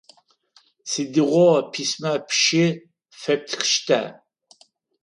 Сыдигъо письмэ пшы фэптхыщта?